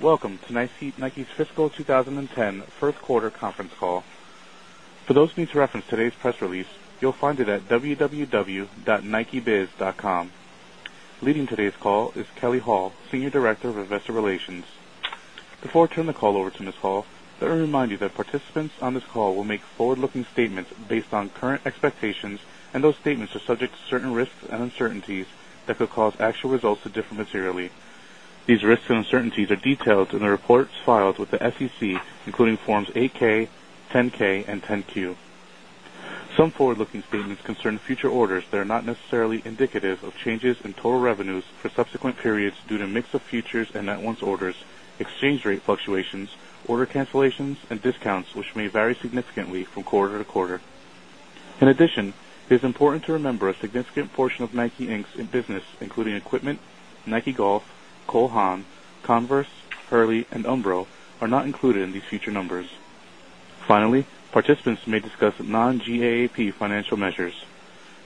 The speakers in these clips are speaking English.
Welcome to NIKE's Fiscal 20 10 First Quarter Conference Call. Leading today's call is Kelly Hall, Senior Director of Investor Relations. Before I turn the call over to Ms. Hall, let me remind you that participants on this call will make forward looking statements based on current expectations and those statements are subject to certain risks and uncertainties that could cause actual results to differ materially. These risks and uncertainties are detailed in the reports filed with the SEC, including Forms 8 ks, 10 ks and 10 Q. Some forward looking statements concern future orders that are not necessarily indicative of changes in total revenues for subsequent periods due to mix of futures and NetOne's orders, exchange rate fluctuations, order cancellations and discounts, which may vary significantly from quarter to quarter. In addition, it is important to remember a significant portion of NIKE, Inc. In business including equipment, NIKE Golf, Cole Haan, Converse, Hurley and Umbro are not included in these future numbers. Finally, participants may discuss non GAAP financial measures.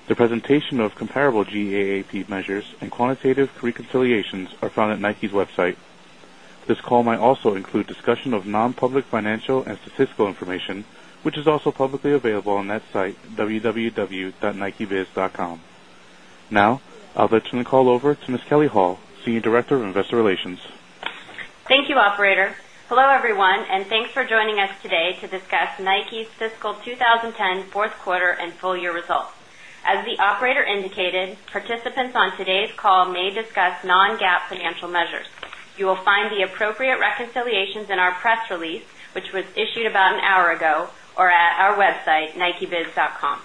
The presentation of comparable GAAP measures and quantitative reconciliations are found at NIKE's website. This call might also include discussion of non public financial and statistical information, which is also publicly available on that site, www.nikebiz.com. Now, I'd like to turn the call over to Ms. Kelly Hall, Senior Director of Investor Relations. Thank you, operator. Hello, everyone, and thanks for joining us today to discuss NIKE's fiscal 20 10 Q4 and full year results. As the operator indicated, participants on today's call may discuss non GAAP financial measures. You will find the appropriate reconciliations in our press release, which was issued about an hour ago or at our website, nikebiz.com.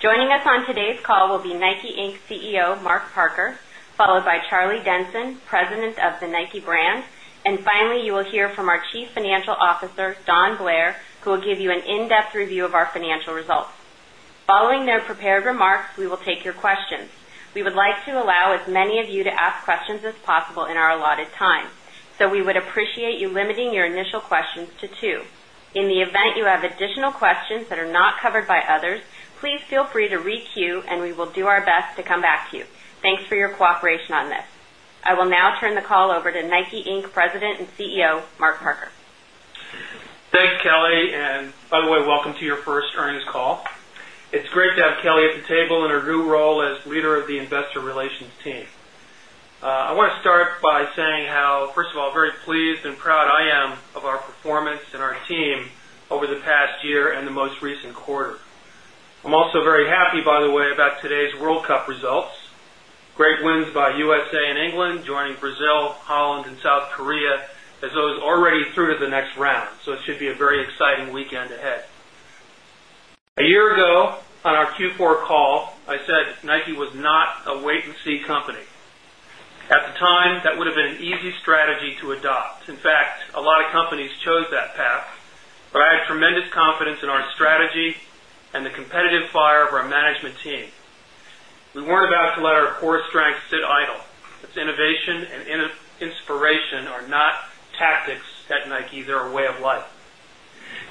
Joining us on today's call will be NIKE, Inc. CEO, Mark Parker followed by Charlie Denson, President of the NIKE Brand and finally, you will hear from our Chief Financial Officer, Don Blair, who will give you an in-depth review of our financial results. Following their prepared remarks, we will take your questions. We would like to allow as many of you to ask questions as possible in our allotted time. So we would appreciate you limiting your initial questions to 2. In the event you have additional questions that are not covered by others, please feel free to re queue and we will do our best to come back to you. Thanks for your cooperation on this. I will now turn the call over to NIKE, Inc. President and CEO, Mark Parker. Thanks, Kelly, and by the way, welcome to your first earnings call. It's great to have Kelly at the table in her new role as leader of the Investor Relations team. I want to start by saying how, first of all, very pleased and proud I am of our performance and our team over the past year and the most recent quarter. I'm also very happy by the way about today's World Cup results. Great wins by USA and England joining Brazil, Holland and South Korea as those already through to the next round. So it should be a very exciting weekend ahead. A year ago, on our Q4 call, I said NIKE was not a wait and see company. That would have been easy strategy to adopt. In fact, a lot of companies chose that path, but I had tremendous confidence in our strategy and the competitive fire of our management team. We weren't about to let our core strength sit idle. Its innovation and inspiration are not tactics at NIKE, they're a way of life.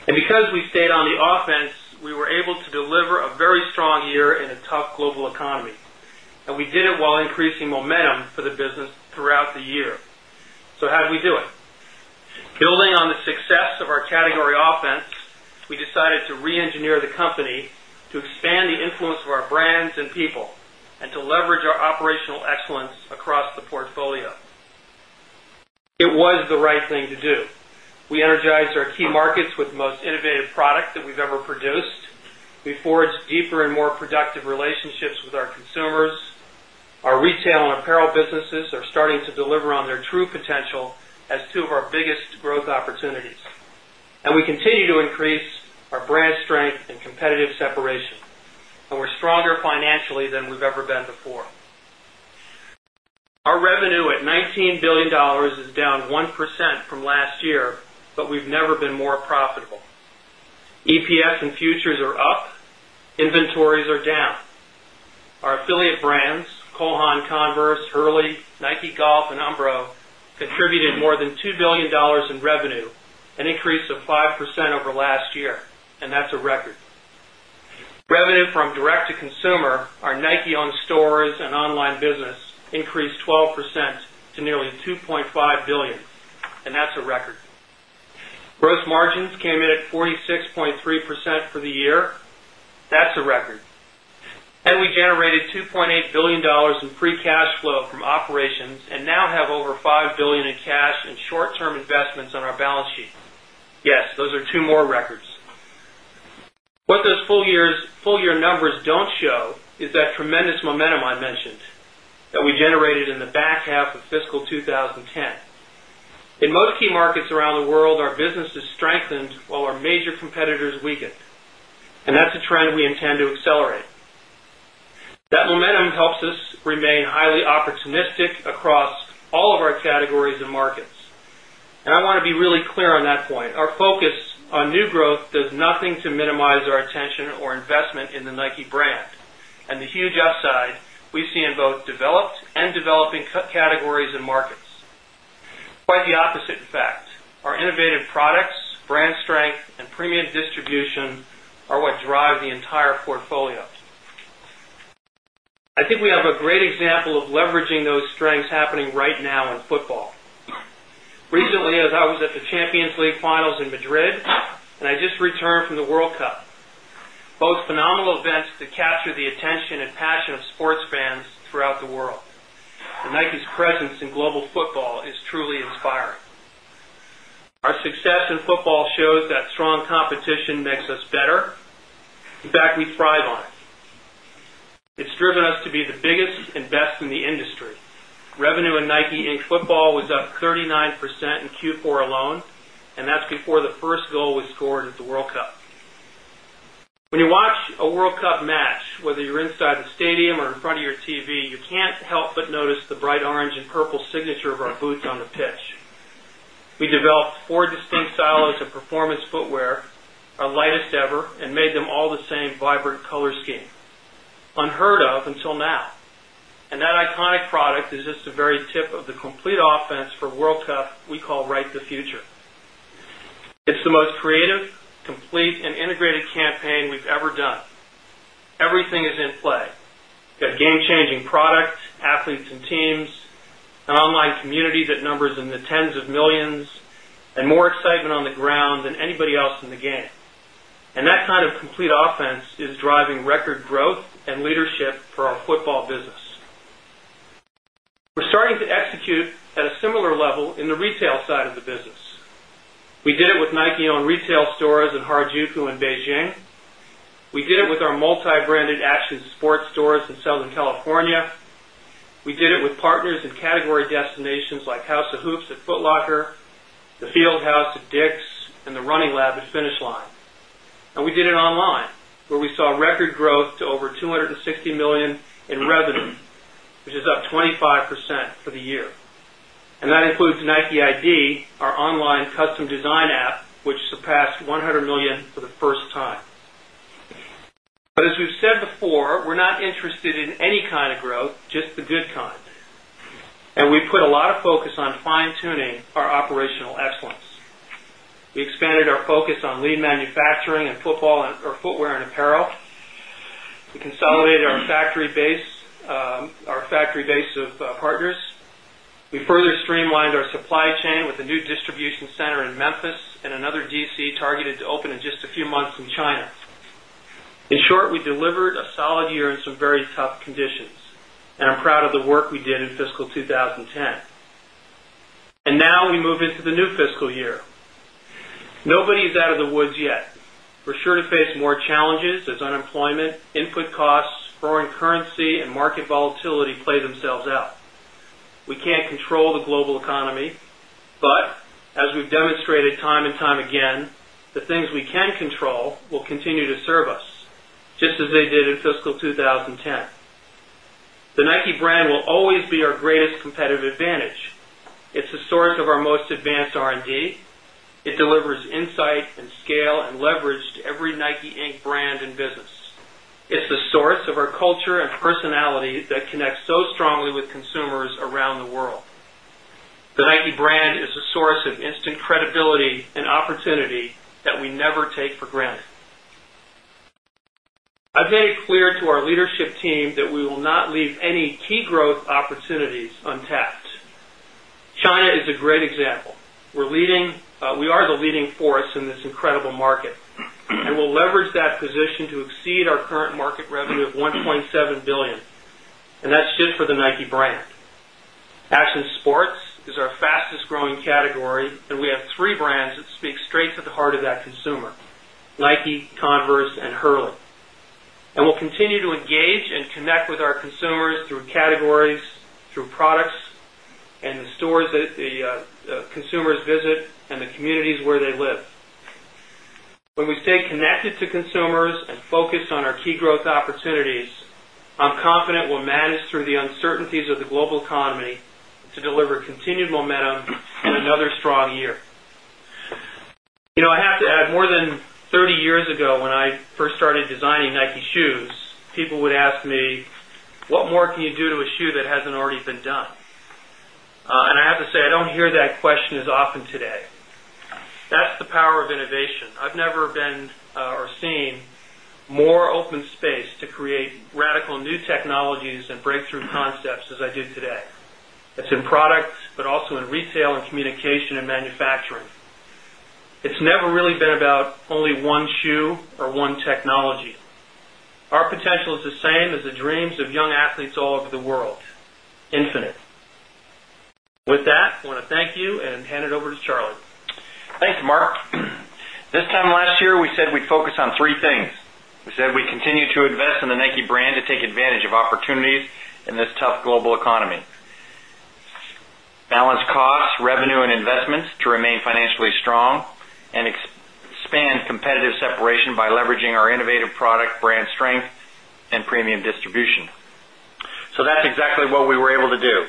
And because we stayed on the offense, we were able to deliver a very strong year in a tough global economy. We did it while increasing momentum for the business throughout the year. So how do we do it? Building on the success of our category offense, we decided to reengineer the company to expand the influence of our brands and people and to leverage our operational excellence across the portfolio. It was the right thing to do. We energized our key markets with the most innovative product that we've ever produced. Before its deeper and more productive relationships with our consumers. Our retail and apparel businesses are starting to deliver on their true potential as 2 of our biggest growth opportunities. And we continue to increase our brand strength and competitive separation. And we're stronger financially than we've ever been before. Our revenue at $19,000,000,000 is down 1% from last year, but we've never been more profitable. EPS and futures are up, inventories are down. Our affiliate brands, Cohan Converse, Hurley, Nike Golf and Umbro contributed more than $2,000,000,000 in revenue, an increase of 5% over last year, and that's a record. Revenue from direct to consumer, our NIKE owned stores and online business increased 12% to nearly $2,500,000,000 and that's a record. Gross margins came in at 46.3% for the year, That's a record. And we generated $2,800,000,000 in free cash flow from operations and now have over 5,000,000,000 dollars in cash and short term investments on our balance sheet. Yes, those are 2 more records. What those full year numbers don't show is that tremendous momentum I mentioned that we generated in the back half of fiscal twenty ten. In most key markets around the world, our business has strengthened while our major competitors weakened, and that's a trend we intend to accelerate. That momentum helps us remain highly opportunistic across all of our categories and markets. And I want to be really clear on that point. Our focus on new growth does nothing to minimize our attention or investment in the NIKE brand and the huge upside we see in both developed and developing categories and markets. Quite the opposite effect, our innovative products, brand strength and premium distribution are what drive the entire portfolio. I think we have a great example of leveraging those strengths happening right now in football. Recently, as I was at the Champions League finals in Madrid, and I just returned from the World Cup, both phenomenal events to capture the attention and passion of sports fans throughout the world. Nike's presence in global football is truly inspiring. Our success in football shows that strong competition makes us better. In fact, we thrive on it. It's driven us to be the biggest and best in the industry. Revenue in NIKE, Inc. Football was up 39% in Q4 alone and that's before the first goal was scored at the World Cup. When you watch a World Cup match, whether you're inside the stadium or in front of your TV, you can't help but notice the bright orange and purple signature of our boots on the pitch. We developed 4 distinct silos of performance footwear, our lightest ever and made them all the same vibrant color scheme, unheard of until now. And that iconic product is just the very tip of the complete offense for World Cup we call Right the Future. It's the most creative, complete and integrated campaign we've ever done. Everything is in play. We've got game changing product, athletes and teams, an online community that numbers in the tens of 1,000,000 and more excitement on the ground than anybody else in the game. And that kind of complete offense is driving record growth and leadership for our football business. We're starting to execute at a similar level in the retail side of the business. We did it with Nike owned retail stores in Harjuku in Beijing. We did it with our multi branded action sports stores in Southern California. We did it with partners in category destinations like House of Hoops at Foot Locker, the Fieldhouse at DICK'S and the Running Lab at Finish Line. And we did it online where we saw record growth to over $260,000,000 in revenue, which is up 25% for the year. And that includes NIKE ID, our online custom design app, which surpassed $100,000,000 for the first time. But as we've said before, we're not interested in any kind of growth, just the good kind. And we put a lot of focus on fine tuning our operational excellence. We expanded our focus on lead manufacturing and footwear and apparel. We consolidated our factory base of partners. We further streamlined our supply chain with a new distribution center in Memphis and another DC targeted to open in just a few months in China. In short, we delivered a solid year in some very tough conditions, and I'm proud of the work we did in fiscal 2010. And now we move into the new fiscal year. Nobody is out of the woods yet. We're sure to face more challenges as unemployment, input costs, growing currency and market volatility play themselves out. We can't control the global economy, but as we've demonstrated time and time again, the things we can control will continue to serve us, just as they did in fiscal 2010. The NIKE brand will always be our greatest competitive advantage. It's the source of our most advanced R and D. It delivers insight and scale and leverage to every NIKE, Inc. Brand and business. It's the source of our culture and personality that connects so strongly with consumers around the world. The NIKE brand is a source of instant credibility and opportunity that we never take for granted. I've made it clear to our leadership team that we will not leave any key growth opportunities untapped. China is a great example. We're leading we are the leading force in this incredible market and we'll leverage that position to our current market revenue of $1,700,000,000 and that's just for the NIKE brand. Action Sports is our fastest growing category and we have 3 brands that speak straight to the heart of that consumer, NIKE, Converse and Hurley. And we'll continue to engage and connect with our consumers through categories, through products and the stores that the consumers visit and the communities where they live. When we stay connected to consumers and focus on our key growth opportunities, I'm confident we'll manage through the uncertainties of the global economy to deliver continued momentum in another strong year. I have to add more than 30 years ago when I first started designing NIKE shoes, people would ask me what more can you do to a shoe that hasn't already been done. And I have to say, I don't hear that question as often today. That's the power of innovation. I've never been or seen more open space to create radical new technologies and breakthrough concepts as I do today. It's in products, but also in retail and communication and manufacturing. It's never really been about only one shoe or one technology. Our potential is the same as the dreams of young athletes all over the world, infinite. With that, I want to thank you and hand it over to Charlie. Thanks, Mark. This time last year, we said we'd focus on 3 things. We said we continue to invest in the NIKE brand to take advantage of opportunities in this tough global economy. Balance costs, revenue and investments to remain financially strong and expand competitive separation by leveraging our innovative product brand strength and premium distribution. So that's exactly what we were able to do.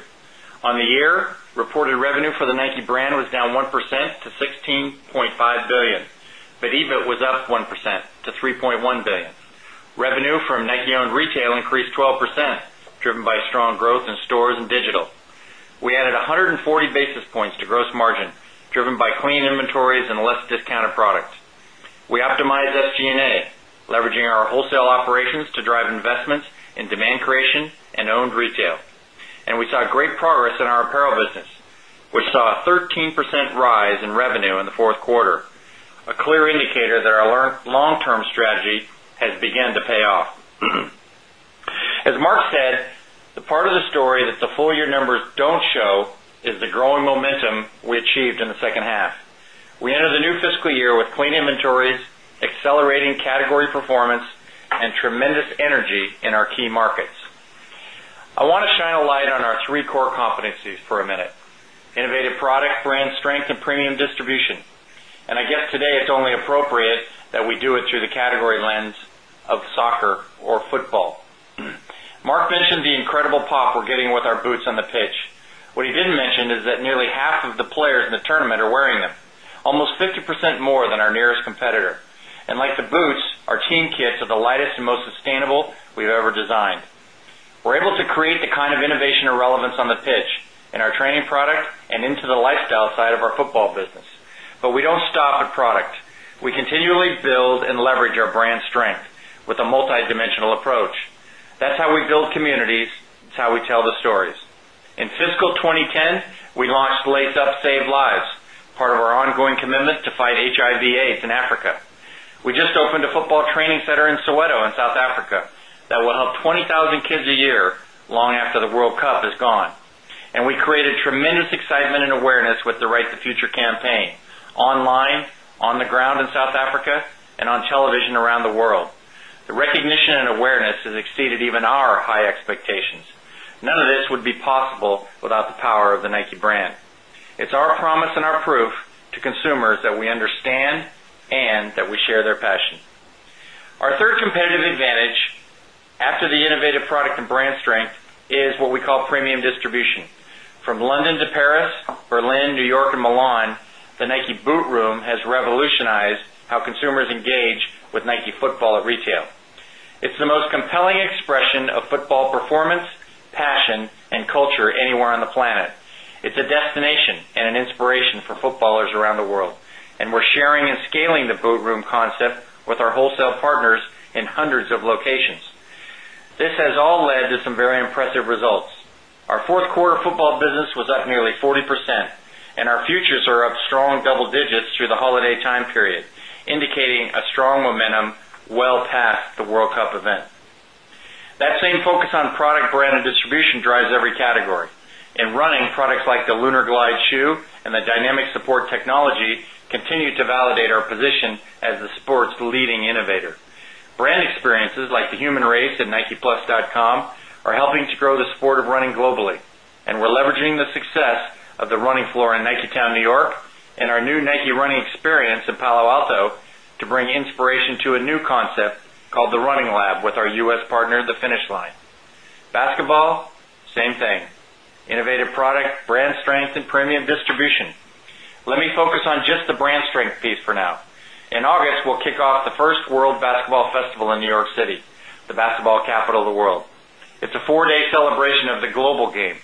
On the year, reported revenue for the NIKE brand was down 1% to $16,500,000,000 but EBIT was up 1% to $3,100,000,000 Revenue from NIKE owned retail increased 12%, driven by strong growth in stores and digital. We added 140 basis points to gross margin, driven by clean inventories and less discounted products. We optimized SG and A, leveraging our wholesale operations to drive investments in demand creation and owned retail. And we saw great progress in our apparel business, which saw a 13% rise in revenue in the 4th quarter, a part of the story that the full year numbers don't show is the growing momentum we achieved in the second half. We entered the new fiscal year with clean inventories, accelerating category performance and tremendous energy in our key markets. I want to shine a light on our 3 core competencies for a minute, innovative product, brand strength and premium distribution. And I guess today it's only appropriate that we do it through the category lens of soccer or football. Mark mentioned the incredible pop we're getting with our boots on the pitch. What he didn't mention is that nearly half of the players in the tournament are wearing them, almost 50% more than our nearest competitor. And like the boots, our team kits are the lightest and most sustainable we've ever designed. We're able to create the kind of innovation or relevance on the pitch in our training product and into the lifestyle side of our football But we don't stop at product. We continually build and leverage our brand strength with a multidimensional approach. That's how we build communities, how we tell the stories. In fiscal 2010, we launched Lace Up Save Lives, part of our ongoing commitment to fight HIV AIDS in Africa. We just opened a football training center in Soweto in South Africa that will help 20,000 kids a year long after the World Cup is gone. And we created tremendous excitement and awareness with the Right to the Future campaign online, on the ground in South Africa and on television around the world. The recognition and awareness has exceeded even our high expectations. None of this would be possible without the power of the NIKE brand. It's our promise and our proof to consumers that we understand and that we share their passion. Our 3rd competitive advantage after the innovative product and brand strength is what we call premium distribution. From London to Paris, Berlin, New York and Milan, the Nike Boot Room how consumers engage with NIKE Football at retail. It's the most compelling expression of football performance, passion and culture anywhere on the planet. It's a destination and an inspiration for footballers around the world, and we're sharing and scaling the boot room concept with our wholesale partners in hundreds of locations. This has all led to some very impressive results. Our 4th quarter football business was up nearly 40% and our futures are up strong double digits through the holiday time period, indicating a strong momentum well past the World Cup event. That same focus on product brand and distribution drives every category and running products like the Lunar Glide shoe and the dynamic support technology continue to validate our position as the sports leading innovator. Brand experiences like the human race at nikieplus.com are helping to grow the sport of running globally, And we're leveraging the success of the running floor in Niketown, New York and our new Nike running experience in Palo Alto to bring inspiration to a new concept called the Running Lab with our U. S. Partner, The Finish Line. Basketball, same thing. Innovative product, brand strength and premium distribution. Let me focus on just the brand strength piece for now. In August, we'll kick off the 1st World Basketball Festival in New York City, the basketball capital of the world. It's a 4 day celebration of the global game.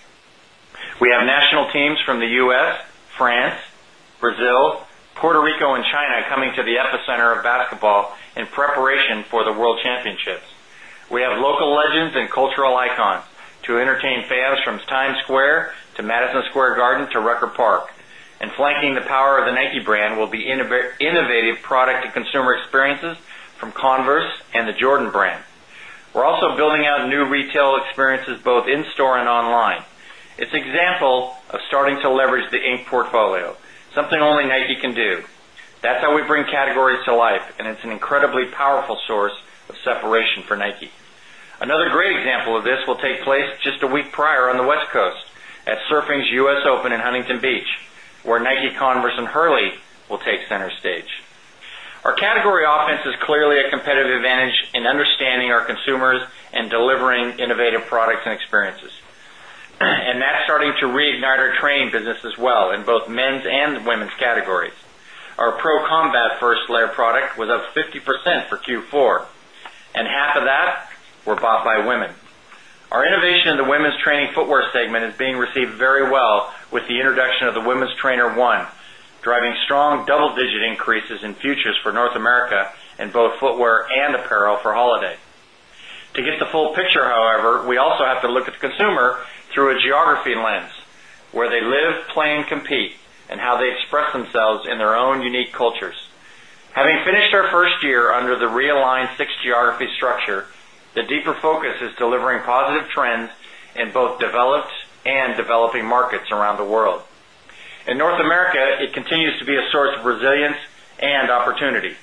We have national teams from the U. S, France, Brazil, Puerto Rico and China coming to the epicenter of basketball in preparation for the world championships. We have local legends and cultural icons to entertain fans from Times Square to Madison Square Garden to Record Park. And flanking the power of the Nike brand will be innovative product to consumer experiences from Converse and the Jordan brand. We're also building out new retail experiences both in store and online. It's example of starting to leverage the Inc. Portfolio, something only NIKE can do. That's how we bring categories to life and it's an incredibly powerful source of separation for NIKE. Another great example of this will take place just a week prior on the West Coast at Surfing's U. S. Open in Huntington Beach, where Nike Converse and Hurley will take center stage. Our category offense is clearly a competitive advantage in understanding our consumers delivering innovative products and experiences. And that's starting to reignite our training business as well in both men's and women's categories. Our Pro Combat First Layer product was up 50% for Q4 and half of that were bought by women. Our innovation in the women's training footwear segment is being received very well with the introduction of the women's trainer 1, driving strong double digit increases in futures for North America in both footwear and apparel for holiday. To get the full picture, however, we also have to look at the consumer through a geography lens, where they live, play and compete and how they express themselves in their own unique cultures. Having finished our 1st year under the realigned 6 geography structure, the deeper focus is delivering positive trends in both developed and developing markets around the world. In North America, it continues to be a source of resilience and opportunity.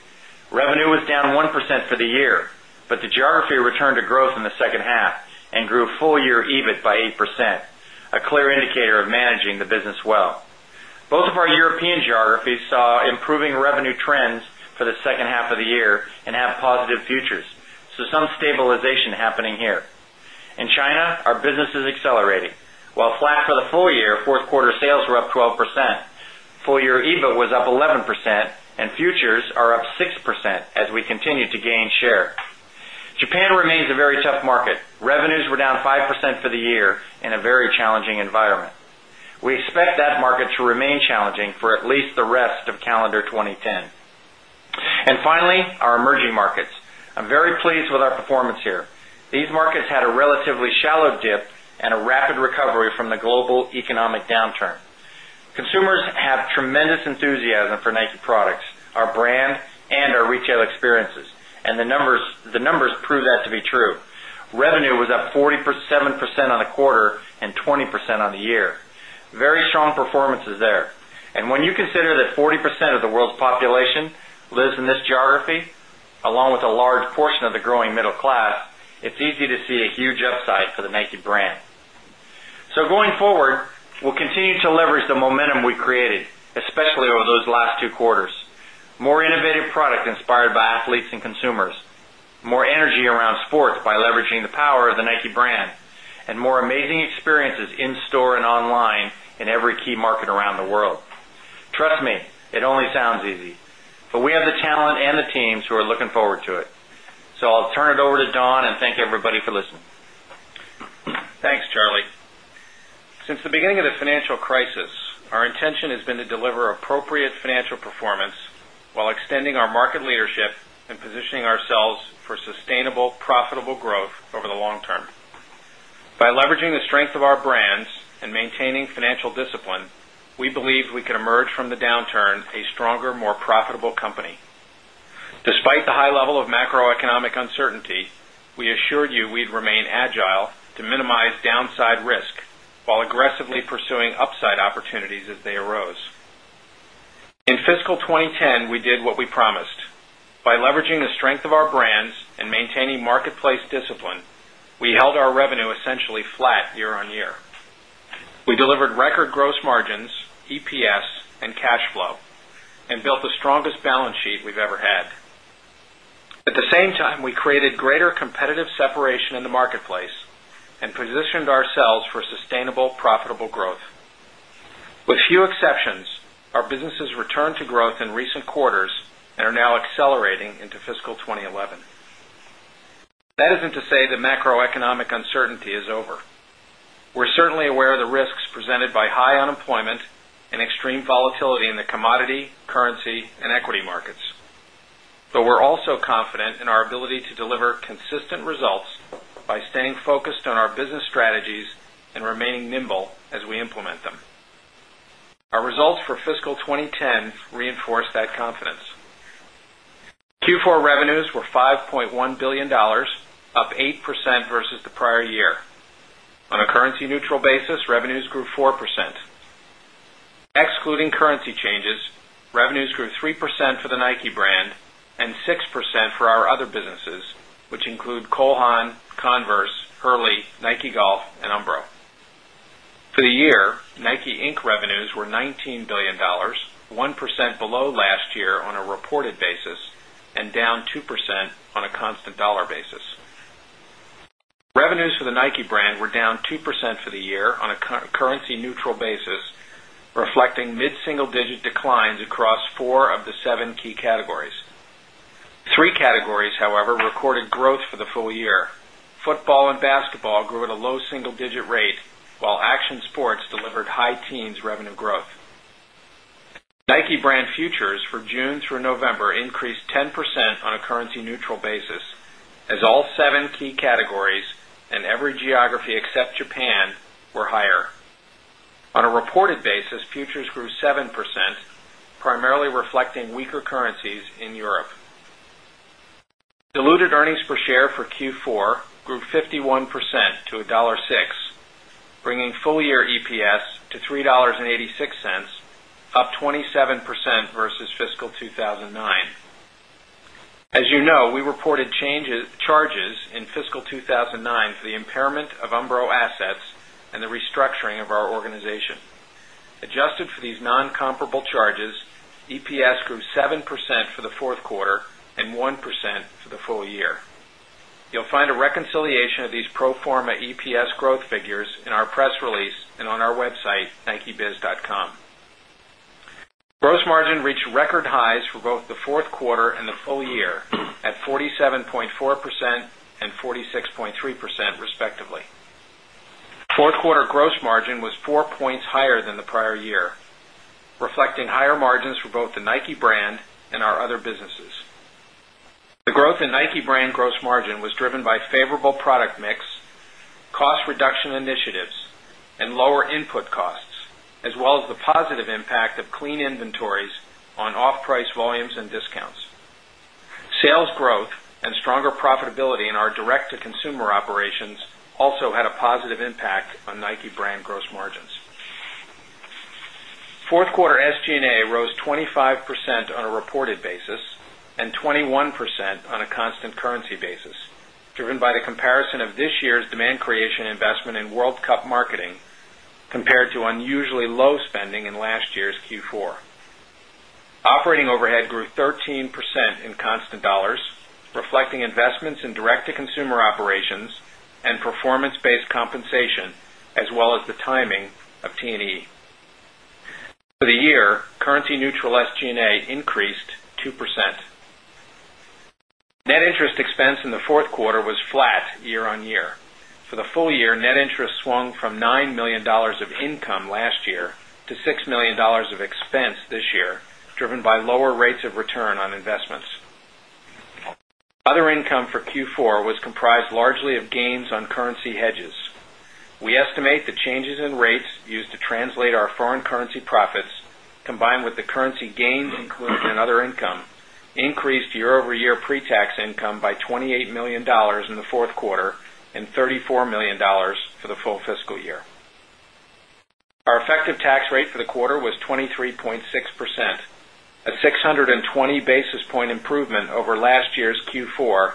Revenue was down 1% for the year, but the geography returned to growth in the second half and grew full year EBIT by 8%, a clear indicator of managing the business well. Both of our European geographies saw improving revenue trends for the second half of the year and have positive futures. So some stabilization happening here. In China, our business is accelerating. While flat for the full year, 4th quarter sales were up 12%, full year EBIT was up 11% and futures are up 6% as we continue to gain share. Japan remains a very tough market. Revenues were down 5% for the year in a very challenging environment. We expect that market to remain challenging for at least the rest of calendar 2010. And finally, our emerging markets. I'm very pleased with our performance here. These markets had a relatively shallow dip and a rapid recovery from the global economic downturn. Consumers have tremendous enthusiasm for NIKE products, our brand and our retail experiences and the numbers prove that to be true. Revenue was up 40 7% on the quarter 20% on the year, very strong performances there. And when you consider that 40% of the world's population lives in this geography, along with a large portion of the growing middle class, it's easy to see a huge upside for the NIKE brand. So going forward, we'll continue to leverage the momentum we created, especially over those last two quarters. More innovative product inspired by athletes and consumers, more energy around sports by leveraging the power of the NIKE brand and more amazing experiences in store and online in every key market around the world. Trust me, it only sounds easy, but we have the talent and the teams who are looking forward to it. So I'll turn it over to Don and thank everybody for listening. Thanks, Charlie. Since the beginning of the financial crisis, our intention has been to deliver appropriate financial performance while extending our market leadership and positioning ourselves for sustainable profitable growth over the long term. By leveraging the strength of our brands and maintaining financial discipline, we believe we can emerge from the downturn a stronger more profitable company. Despite the high level of macroeconomic uncertainty, we assured you we'd remain agile to minimize downside risk while aggressively pursuing upside opportunities as they arose. In fiscal 2010, we did what we promised. By leveraging the strength of our brands and maintaining marketplace discipline, we held our revenue essentially flat year on year. We delivered record gross margins, EPS and cash flow and built the strongest balance sheet we've ever had. At the same time, we created greater competitive separation in the marketplace and positioned ourselves for sustainable profitable growth. With few exceptions, our businesses returned to growth in recent quarters and are now accelerating into fiscal 2011. That isn't to say the macroeconomic uncertainty is over. We're certainly aware of the risks presented by high unemployment and extreme volatility in the commodity, currency and equity markets. But we're also confident in our ability to deliver consistent results by staying focused on our business strategies and remaining nimble as we implement them. Our results for fiscal 2010 reinforce that confidence. Q4 revenues were $5,100,000,000 up 8% versus the prior year. On a currency neutral basis, revenues grew 4%. Excluding currency changes, revenues grew 3% for the Nike brand and 6% for our other businesses, which include Cole Haan, Converse, Hurley, Nike Golf and Umbro. For the year, Nike Inc. Revenues were $19,000,000,000 1% below last year on a reported basis and down 2% on a constant dollar basis. Revenues for the NIKE brand were down 2% for the year on a currency neutral basis, reflecting mid single digit Football and basketball grew at a low single digit rate, while action sports delivered high teens revenue growth. NIKE brand futures for June through November increased 10% on a currency neutral basis as all 7 key categories and every geography except Japan were higher. On a reported basis, futures grew 7% primarily reflecting weaker currencies in Europe. Diluted earnings per share for Q4 grew 51% to 1.06 dollars bringing full year EPS to $3.86 up 27% versus fiscal 2,009. As you know, we reported changes charges in fiscal 2,009 for the impairment of Umbro assets and the restructuring of our organization. Adjusted for these non comparable charges, EPS grew 7% for the 4th quarter and 1% for the full year. You'll find a reconciliation of these pro form a EPS growth figures in our press release and on our website, thank youbiz.com. Gross margin reached record highs for both the 4th quarter and the full year at 47.4% and 46.3% respectively. 4th quarter gross margin was 4 points higher than the prior year, reflecting higher margins for both the NIKE brand and our other businesses. The growth in NIKE brand gross margin was driven by favorable product mix, cost reduction initiatives and lower input costs, as well as the positive impact of clean inventories on off price volumes and discounts. Sales growth and stronger profitability in our direct to consumer operations also had a positive impact on NIKE brand gross margins. 4th quarter SG and A rose 25% on a reported basis and 21% on a constant currency basis, driven by the comparison of this year's demand creation investment in World Cup marketing compared to unusually low spending in last year's Q4. Operating overhead grew 13% in constant dollars, reflecting investments in direct to consumer operations and performance based compensation as well as the timing of T and E. For the year, currency neutral SG and A increased 2%. Net interest expense in the 4th quarter was flat year on year. For the full year, net interest swung from $9,000,000 of income last year to $6,000,000 of expense this year driven by lower rates of return on investments. Other income for Q4 was comprised largely of gains on currency hedges. We estimate the changes in rates used to translate our foreign currency profits combined with the currency gains included in other income increased year over year pre tax income by $28,000,000 in the 4th quarter $34,000,000 for the full fiscal year. Our effective tax rate for the quarter was 23.6 percent, a 6 20 basis point improvement over last year's Q4,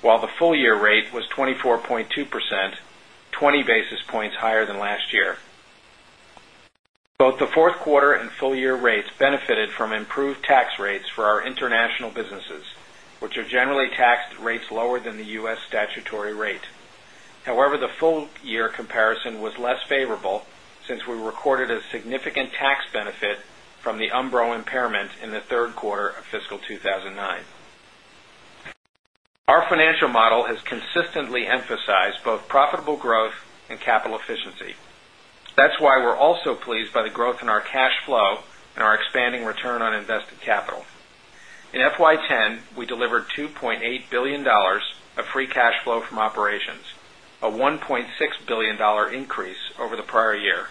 while the full year rate was 24.2%, twenty basis points higher than last year. Both the 4th quarter and full year rates benefited from improved tax rates for our international businesses, which are generally taxed rates lower than the U. S. Statutory rate. However, the full year comparison was less favorable since we recorded a significant tax benefit from the Umbro impairment in the Q3 of fiscal 2 2,009. Our financial model has consistently emphasized both profitable growth and capital efficiency. That's why we're also pleased by the growth in our cash flow and our expanding return on invested capital. In FY 'ten, we delivered $2,800,000,000 of free cash flow from operations, a $1,600,000,000 increase over the prior year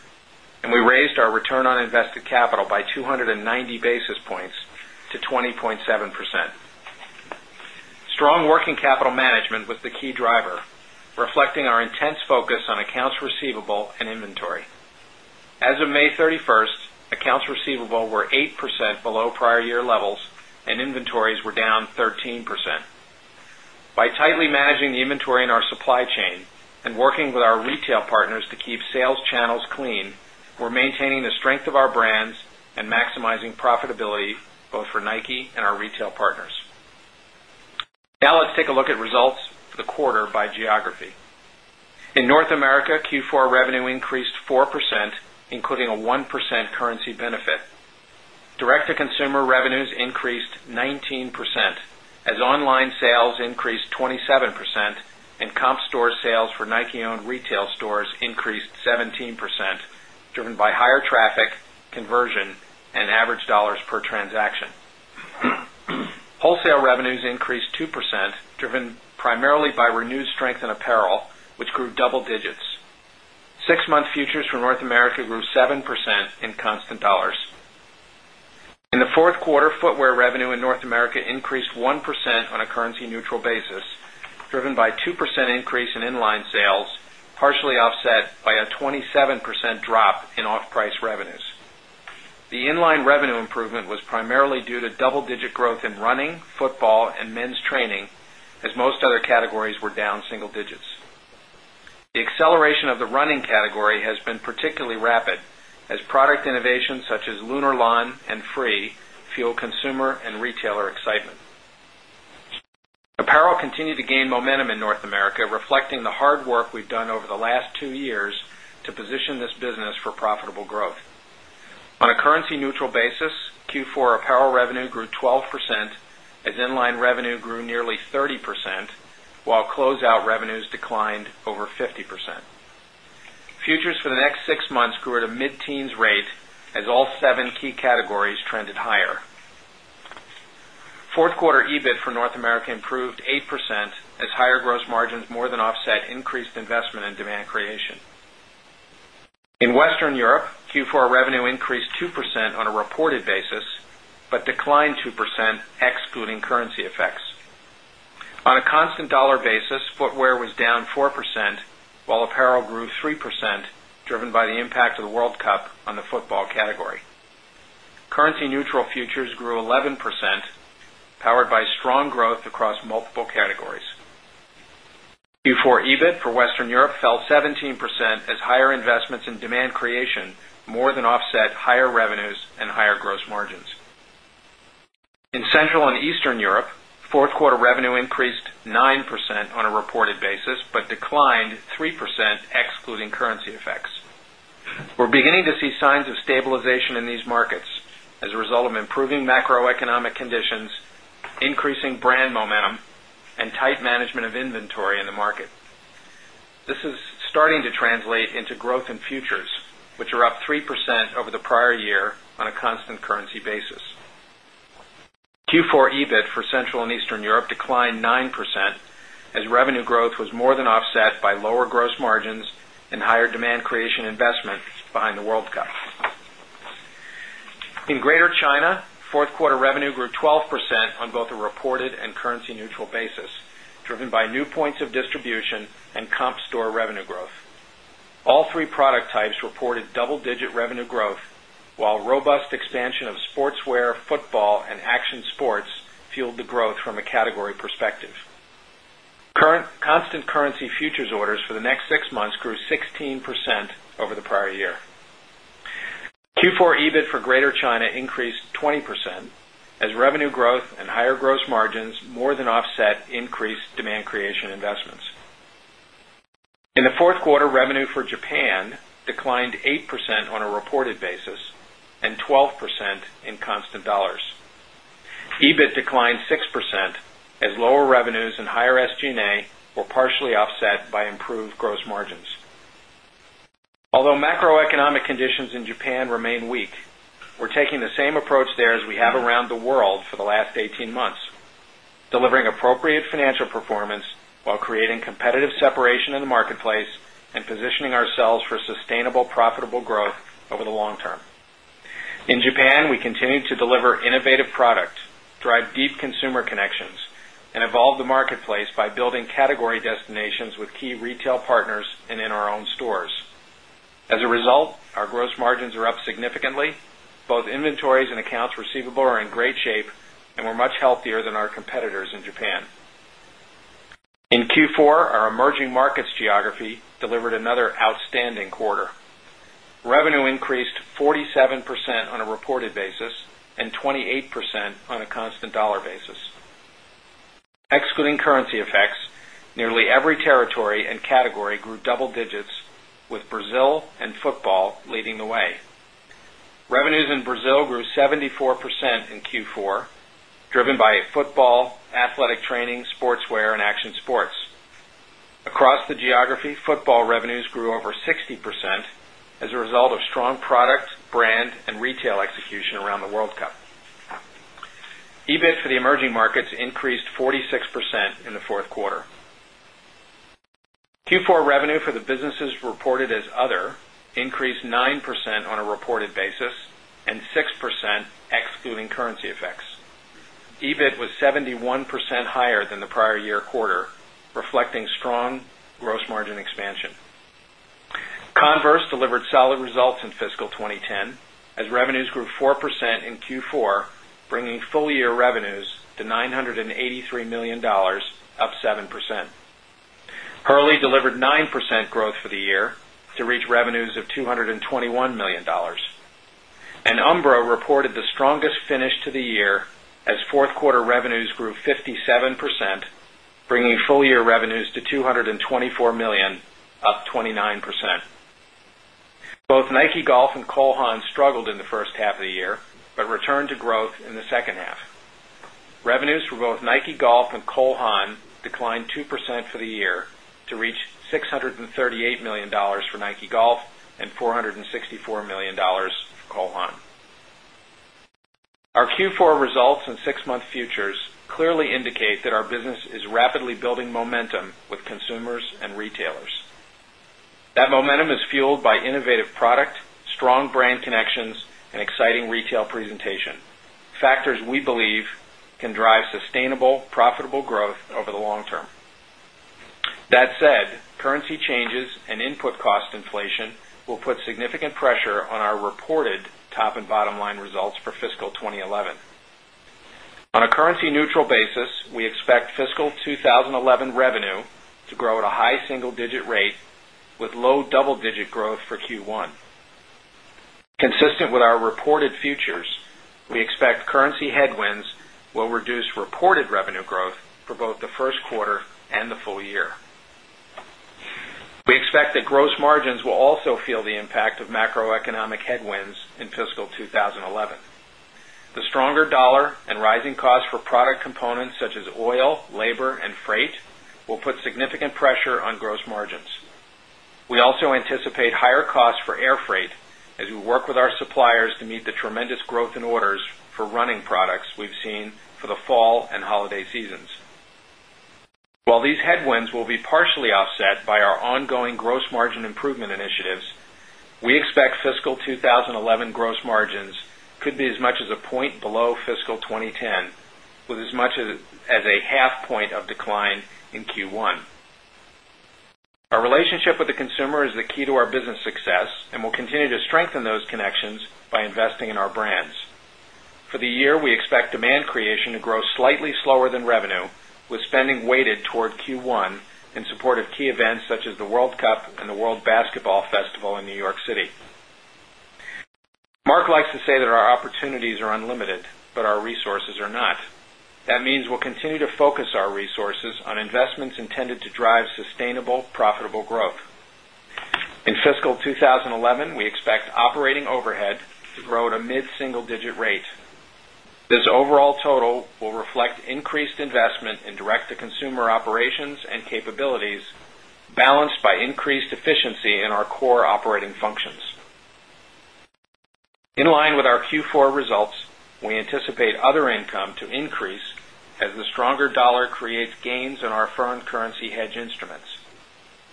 and we raised our return on invested capital by 290 basis points to 20.7%. Strong working capital management was the key driver, reflecting our intense focus accounts receivable and inventory. As of May 31, accounts receivable were 8% below prior year levels and inventories were down 13%. By tightly managing the inventory in our supply chain and working with our retail partners to keep sales channels clean, we're maintaining the strength of our brands and maximizing profitability both for NIKE and our retail partners. Now let's take a look at results for the quarter by geography. In North America, Q4 revenue increased 4%, including a 1% currency benefit. Direct consumer revenues increased 19% as online sales increased 27% and comp store sales for NIKE owned retail stores increased 17% driven by higher traffic, conversion and average dollars per transaction. Wholesale revenues increased 2%, driven primarily by renewed strength in apparel, which grew double digits. 6 month futures for North America grew 7% in constant dollars. In the 4th quarter, footwear revenue in North America increased 1% on a currency neutral basis, driven by 2% increase in inline sales, partially offset by a 27% drop in off price revenues. The in line revenue improvement was primarily due to double digit growth in running, football and men's training as most other categories were down single digits. The acceleration of the running category has been particularly rapid as product innovations such as Lunar Lawn and Free fuel consumer and retailer excitement. Apparel continued to gain momentum in North America reflecting the hard work we've done over the last 2 years to position this business for profitable growth. On a currency neutral basis, Q4 apparel revenue grew 12% as in line revenue grew nearly 30%, while closeout revenues declined over 50%. Futures for the next 6 months grew at a mid teens rate as all 7 key categories trended higher. 4th quarter EBIT for North America improved 8% as higher gross margins more than offset increased investment in demand creation. In Western Europe, Q4 revenue increased 2% on a reported basis, but declined 2% excluding currency effects. On a constant dollar basis, footwear was down 4%, while apparel grew 3% driven by the impact of the World Cup on the football category. Currency neutral futures grew 11% powered by strong growth across multiple categories. Q4 EBIT for Western Europe fell 17% as higher investments in demand creation more than offset higher revenues and higher gross margins. In Central and Eastern Europe, 4th quarter revenue increased 9% on a reported basis, but declined 3% excluding currency effects. We're beginning to see signs of stabilization in these markets a result of improving macroeconomic conditions, increasing brand momentum and tight management of inventory in the market. This is starting to translate into growth in futures, which are up 3% over the prior year on a constant currency basis. Q4 EBIT for Central and Eastern Europe declined 9% as revenue growth was more than offset by lower gross margins and higher demand creation investments behind the World Cup. In Greater China, 4th quarter revenue grew 12% on both a reported and currency neutral basis, driven by new points of distribution and comp store revenue growth. All three product types reported double digit revenue growth, while robust expansion of sportswear, football and action sports fueled the growth from a category perspective. Current constant currency futures orders for the next 6 months grew 16% over the prior year. Q4 EBIT for Greater China increased 20% as revenue growth and higher gross margins more than offset increased demand creation investments. In the Q4, revenue for Japan declined 8% on a reported basis and 12% in constant dollars. EBIT declined 6% as lower revenues and higher SG and A were partially offset by improved gross margins. Although macroeconomic conditions in Japan remain weak, we're taking the same approach there as we have around the world for the last 18 months, delivering appropriate financial performance while creating competitive separation in the marketplace and positioning ourselves for sustainable profitable growth over the long term. In Japan, we continue to deliver innovative product, drive deep consumer connections and evolve the marketplace by building category destinations with key retail partners and in our own stores. As a result, our gross margins are up significantly, both inventories and accounts receivable are in great shape and were much healthier than our competitors in Japan. In Q4, our emerging markets geography delivered another outstanding quarter. Revenue increased 47% on a reported basis and 28% on a constant dollar basis. Excluding currency effects, nearly every territory and category grew double digits with Brazil and football leading the way. Revenues in Brazil grew 74% in Q4 driven by football, athletic training, sportswear and action sports. Across the geography, football revenues grew over 60% as a result of strong product, brand and retail execution around the World Cup. EBIT for the emerging markets increased 46% in the 4th quarter. Q4 revenue for the businesses reported as other increased 9% on a reported basis and 6% excluding currency effects. EBIT was 71% higher than the prior year quarter reflecting strong gross margin expansion. Converse delivered solid results in fiscal 2010 as revenues grew 4% in Q4 bringing full year revenues to $983,000,000 up 7%. Hurley delivered 9% growth for the year to reach revenues of $221,000,000 and Umbro reported the strongest finish to the year as 4th quarter revenues grew 57% bringing full year revenues to $224,000,000 up 29%. Both NIKE Golf and Cole Haan struggled in the first half of the year, but returned to growth in the second half. Revenues for both NIKE Golf and Cole Haan declined 2% for the year to reach $638,000,000 for Nike Golf and $464,000,000 for Cole Haan. Our Q4 results and 6 month futures clearly indicate that our business is rapidly building momentum with consumers and retailers. That momentum is fueled by innovative product, strong brand connections and exciting retail presentation, factors we believe can drive sustainable profitable growth over the long term. That said, currency changes and input cost inflation will put significant pressure on our reported top and bottom line results for fiscal 2011. On a currency neutral basis, we expect fiscal 2011 revenue to grow at a high single digit rate with low double digit growth for Q1. Consistent with our reported futures, we expect currency headwinds will reduce reported revenue growth for both the Q1 and the full year. We expect that gross margins will also feel the impact of macroeconomic headwinds in fiscal 2011. The stronger dollar and rising costs for product components such as oil, labor and freight will put significant pressure on gross margins. We also anticipate higher costs for airfreight as we work with our suppliers to meet the tremendous growth in orders for running products we've seen for the fall and holiday seasons. While these headwinds will be partially offset by our ongoing gross margin improvement initiatives, we expect fiscal 2011 gross margins could be as much as a point below fiscal 2010 with as much as a half point of decline in Q1. Our relationship with the consumer is the key to our business success and we'll continue to strengthen those connections by investing in our brands. For the year, we expect demand creation to grow slightly slower than revenue with spending weighted toward Q1 in support of key events such as and the World Basketball Festival in New York City. Mark likes to say that our opportunities are unlimited, but our resources are not. That means we'll continue to focus our resources on investments intended to drive sustainable profitable growth. In fiscal 2011, we expect operating overhead to grow at a mid single digit rate. This overall total will reflect increased investment in direct to consumer operations and capabilities balanced by increased efficiency in our core operating functions. In line with our Q4 results, we anticipate other income to increase as the stronger dollar creates gains in our foreign currency hedge instruments.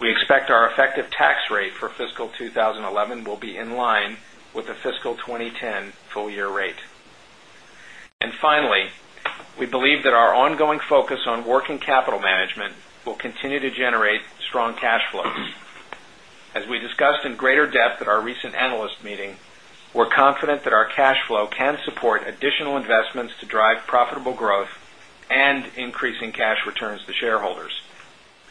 We expect our effective tax rate for fiscal 2011 will be in line with the fiscal 2010 full year rate. And finally, we believe that our ongoing focus on working capital management will continue to generate strong cash flow. As we discussed in greater depth at our recent analyst meeting, we're confident that our cash flow can support additional investments to drive profitable growth and increasing cash returns to shareholders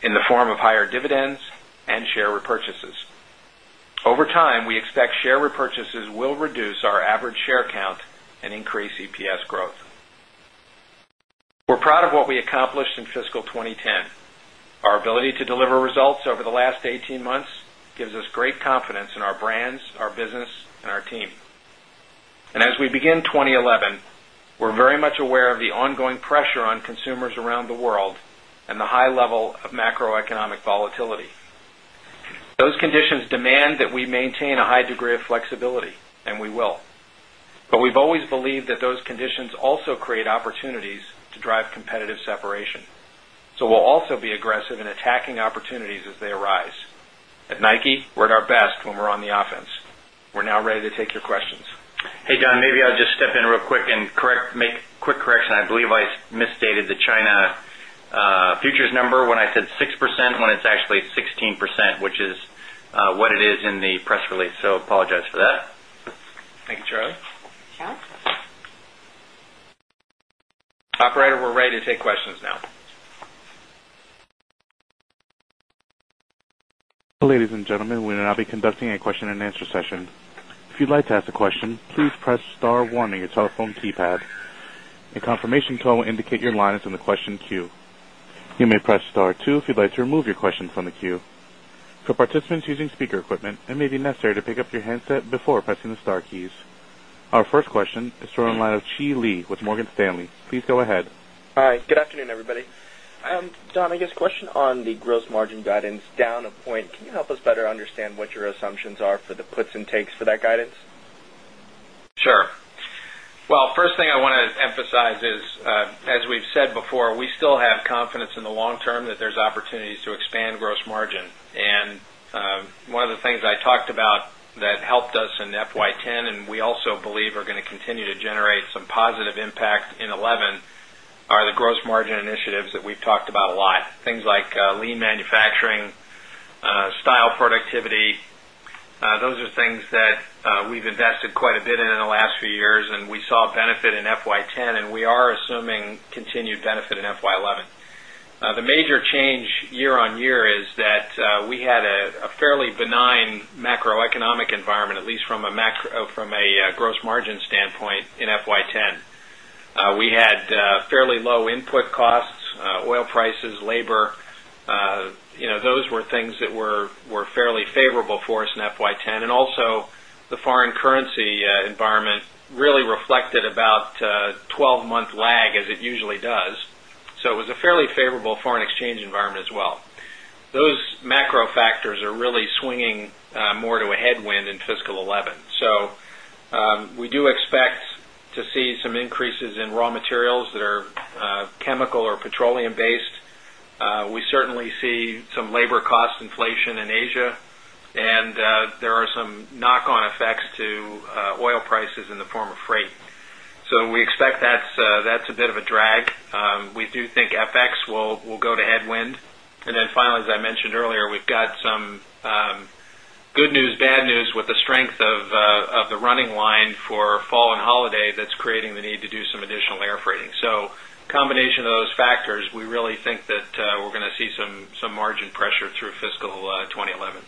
in the form of higher dividends and share repurchases. Over time, we expect share repurchases will reduce our average share count and increase EPS growth. We're proud of what we accomplished in fiscal 2010. Our ability to deliver results over the last 18 months gives us great confidence in our brands, our business and our team. And as we begin 2011, we're very much aware of the ongoing pressure on consumers around the world and the high level of macroeconomic volatility. Those conditions demand that we maintain a high degree of flexibility and we will. But we've always believed that those conditions also create opportunities to drive competitive separation. So we'll also be aggressive in attacking opportunities as they arise. At Nike, we're at our best when we're on the offense. We're now ready to take your questions. Hey, Don, maybe I'll just step in real quick and correct make quick correction. I believe I misstated the China Futures number when I said 6% when it's actually 16%, which is what it is in the press release. So, apologize for that. Thank you, Charlie. Operator, we're ready to take questions now. Our first question is from the line of Chi Lee with Morgan Stanley. Please go ahead. Good afternoon, everybody. Don, I guess question on the gross margin guidance down a point. Can you help us better understand what your assumptions are for the puts and takes for that guidance? Sure. Well, first thing I want to emphasize is, as we've said before, we still have confidence in the long term that there's opportunities to expand gross margin. And one of the things I talked about that helped us in FY 'ten and we also believe are going to continue to generate some positive impact in 'eleven are the gross margin initiatives that we've talked about a lot, things like lean manufacturing, style productivity. Those are things that we've invested quite a bit in the last few years and we saw benefit in FY 'ten and we are assuming continued benefit in FY 'eleven. The major change year on year is that we had a fairly benign macroeconomic environment at least from a macro from a gross margin standpoint in FY 'ten. We had fairly low input costs, oil prices, labor, those were things that were fairly favorable for us in FY 'ten and also the foreign currency environment really reflected about 12 month lag as it usually does. So it was a fairly favorable foreign exchange environment as well. Those macro factors are really swinging more to a headwind in fiscal 2011. So we do expect to see some increases in raw materials that are chemical or petroleum based. We certainly see some labor cost inflation in Asia and there are some knock on effects to oil prices in the form of freight. So we expect that's a bit of a drag. We do think FX will go to headwind. And then finally, as I mentioned earlier, we've got some good news, bad news with the strength of the running line for fall and holiday that's creating the need to do some additional air freighting. So combination of those factors, we really think that we're going to see some margin pressure through fiscal 2011.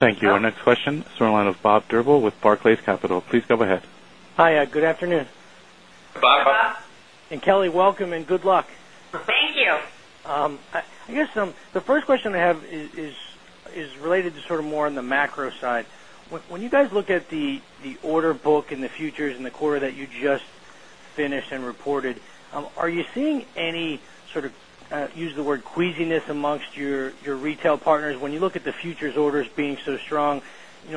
Thank you. Our next question is from the line of Bob Drbul with Barclays Capital. Please go ahead. Hi, good afternoon. Hi, Bob. And Kelly, welcome and good luck. Thank you. I guess, the first question I have is related to sort of more on the macro side. When you guys look at the order book in the futures in the quarter that you just finished and reported, are you seeing any sort of use the word queasiness amongst your retail partners? When you look at the futures orders being so strong,